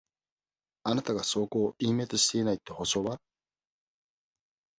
あなたが証拠を隠滅しないって保証は？